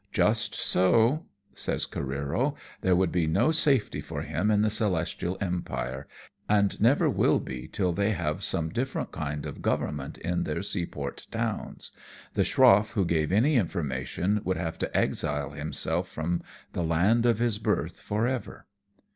" Just so," says Careero ;" there would be no safety for him in the Celestial Empire^ and never will be till they have some different kind of government in their seaport towns. The schroff who gave any information would have to exile himself from the land of his birth for ever."